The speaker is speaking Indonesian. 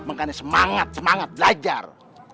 makanya semangat semangat belajar